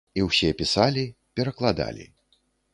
І ўсе пісалі, перакладалі.